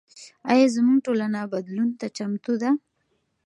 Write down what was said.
ایا زموږ ټولنه بدلون ته چمتو ده؟